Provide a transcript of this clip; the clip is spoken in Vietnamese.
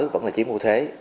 vẫn là chiếm ưu thuế